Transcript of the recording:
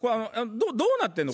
「どうなってんの？